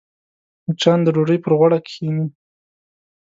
مچان د ډوډۍ پر غوړه کښېني